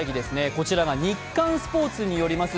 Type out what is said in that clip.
こちらが「日刊スポーツ」によります